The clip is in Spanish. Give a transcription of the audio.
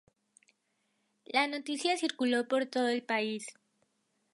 La noticia circuló por todo el país.